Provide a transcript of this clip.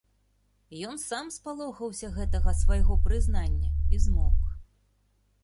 Ён сам спалохаўся гэтага свайго прызнання і змоўк.